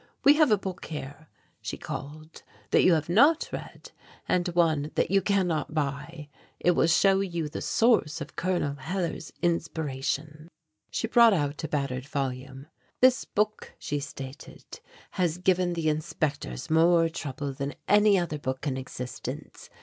"We have a book here," she called, "that you have not read, and one that you cannot buy. It will show you the source of Col. Hellar's inspiration." She brought out a battered volume. "This book," she stated, "has given the inspectors more trouble than any other book in existence.